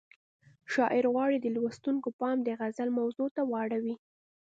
شاعر غواړي د لوستونکو پام د غزل موضوع ته واړوي.